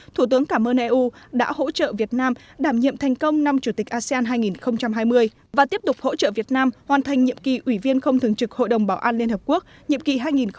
thủ tướng cảm ơn eu đã hỗ trợ việt nam đảm nhiệm thành công năm chủ tịch asean hai nghìn hai mươi và tiếp tục hỗ trợ việt nam hoàn thành nhiệm kỳ ủy viên không thường trực hội đồng bảo an liên hợp quốc nhiệm kỳ hai nghìn hai mươi hai nghìn hai mươi một